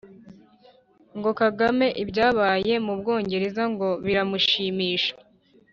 Ngo Kagame ibyabaye mu Bwongereza ngo biramushimisha!